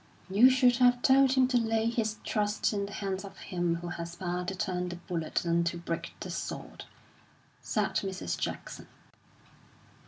'" "You should have told him to lay his trust in the hands of Him who has power to turn the bullet and to break the sword," said Mrs. Jackson.